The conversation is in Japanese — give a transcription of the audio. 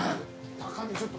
高見ちょっと。